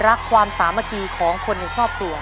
ความรักความสามารถของคนในครอบครัว